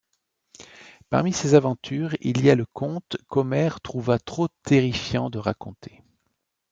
Parmi ses aventures il y a le conte qu'Homère trouva trop terrifiant de raconter...